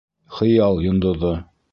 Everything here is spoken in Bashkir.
ХЫЯЛ ЙОНДОҘО